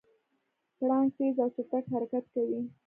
پړانګ تېز او چټک حرکت کوي.